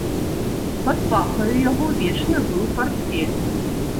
Пад пахаю яго вечна быў партфель.